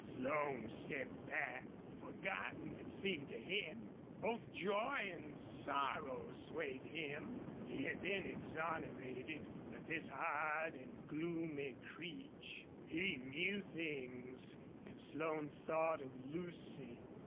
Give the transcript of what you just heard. Slone stepped back, forgotten, it seemed to him. Both joy and sorrow swayed him. He had been exonerated. But this hard and gloomy Creech he knew things. And Slone thought of Lucy.